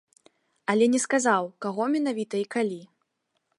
Але не сказаў, каго менавіта і калі.